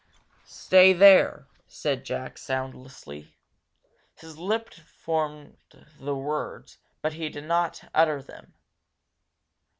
"Stay there!" said Jack, soundlessly. His lips formed the words but he did not utter them.